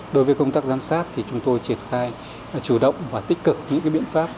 đối với công tác giám sát thì chúng tôi triển khai chủ động và tích cực những biện pháp